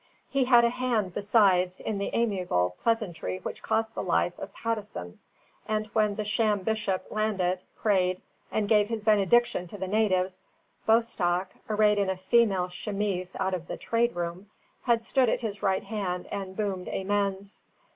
He had a hand, besides, in the amiable pleasantry which cost the life of Patteson; and when the sham bishop landed, prayed, and gave his benediction to the natives, Bostock, arrayed in a female chemise out of the traderoom, had stood at his right hand and boomed amens.